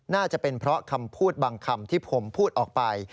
น่าจะเป็นเพราะคำพูดบางคำที่ผมพูดออกไป